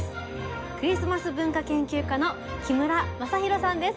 クリスマス文化研究家の木村正裕さんです。